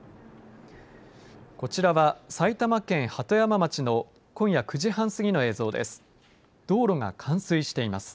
こちらは、埼玉県鳩山町の今夜、９時半過ぎの映像です。